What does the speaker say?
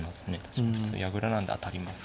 矢倉なんで当たりますけど。